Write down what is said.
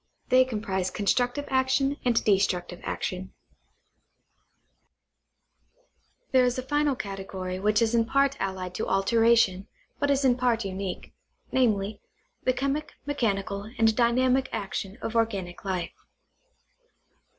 They comprise constructive action and destructive action. 30 National Geographic Magazine. There is a final category which is in part allied to alteration but is in part unique, viz : the chemic, mechanical, and dynamic action of organic life.